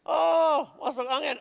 oh masuk angin